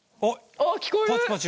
あっ聞こえる！